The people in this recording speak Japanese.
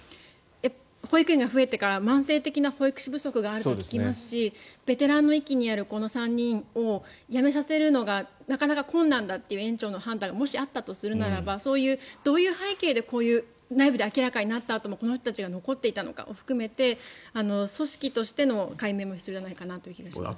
保育園が増えてから慢性的な保育士不足があると聞きますしベテランの域にある３人を辞めさせるのがなかなか困難だという園長の判断がもしあったとするならばどういう背景で内部で明らかになったあともこの人たちが残っていたのかも含めて組織としての解明も必要じゃないかなという気がします。